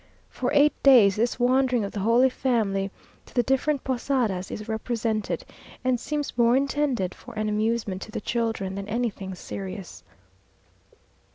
For eight days this wandering of the Holy Family to the different Posadas is represented, and seems more intended for an amusement to the children than anything serious.